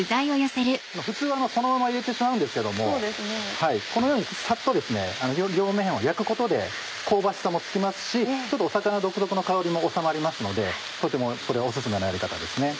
普通はそのまま入れてしまうんですけどもこのようにさっと両面を焼くことで香ばしさもつきますし魚独特の香りも収まりますのでとてもこれはお薦めなやり方ですね。